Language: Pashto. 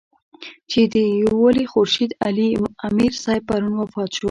چې د دېولۍ خورشېد علي امير صېب پرون وفات شۀ